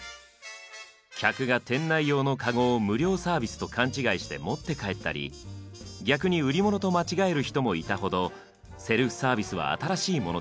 客が店内用のカゴを無料サービスと勘違いして持って帰ったり逆に売り物と間違える人もいたほどセルフサービスは新しいものでした。